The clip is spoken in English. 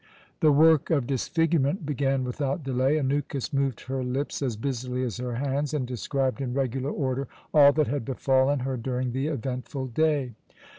The work of disfigurement began without delay. Anukis moved her lips as busily as her hands, and described in regular order all that had befallen her during the eventful day.